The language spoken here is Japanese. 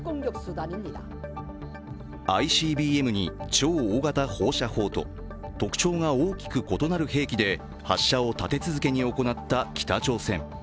ＩＣＢＭに超大型放射砲と特徴が大きく異なる兵器で発射を立て続けに行った北朝鮮。